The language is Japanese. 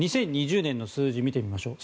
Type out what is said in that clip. ２０２０年の数字を見てみましょう。